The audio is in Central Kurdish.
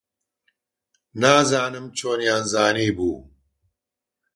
نازانم چۆنیان زانیبوو.